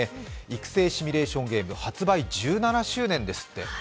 育成シュミレーションゲーム発売１７周年ですって。